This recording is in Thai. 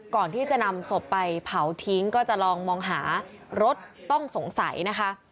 ก่อนที่จะนำศพไปเผาทิ้งก็จะลองมองหารถต้องสงสัยนะคะ